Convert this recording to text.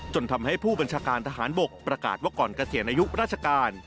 ทำให้ผู้บัญชาการทหารบกประกาศว่าก่อนเกษียณอายุราชการ